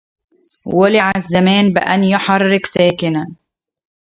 ولع الزمان بأن يحرك ساكنا